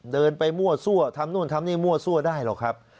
เดินไปมั่วซั่วทำนู่นทำนี่มั่วซั่วได้หรอกครับ